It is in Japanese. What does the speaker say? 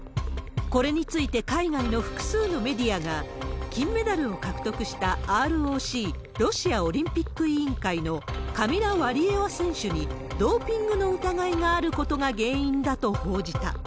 これについて海外の複数のメディアが、金メダルを獲得したＲＯＣ・ロシアオリンピック委員会のカミラ・ワリエワ選手にドーピングの疑いがあることが原因だと報じた。